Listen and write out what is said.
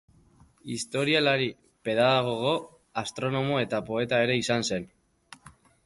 Historialari, pedagogo, astronomo eta poeta ere izan zen.